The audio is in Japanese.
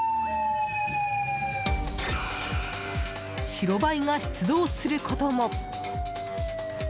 白バイが出動することも。